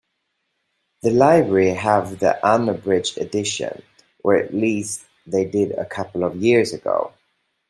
The library have the unabridged edition, or at least they did a couple of years ago.